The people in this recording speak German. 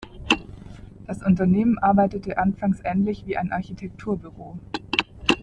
Das Unternehmen arbeitete anfangs ähnlich wie ein Architekturbüro.